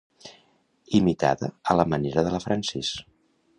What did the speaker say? Imitada a la manera de la Francis.